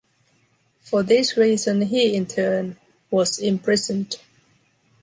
For this reason he in turn was imprisoned.